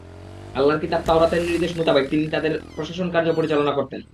আল্লাহর কিতাব তাওরাতের নির্দেশ মুতাবিক তিনি তাদের প্রশাসন কার্য পরিচালনা করতেন।